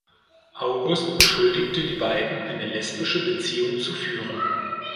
August beschuldigte die beiden, eine lesbische Beziehung zu führen.